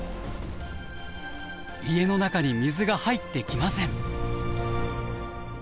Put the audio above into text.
家の中に水が入ってきません。